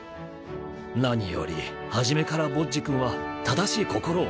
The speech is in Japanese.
何より初めからボッジ君は正しい心を持っています。